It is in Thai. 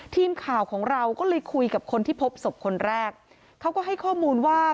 ทีมข่าวของเราก็เลยคุยกับคนที่พบศพคนแรกเขาก็ให้ข้อมูลว่า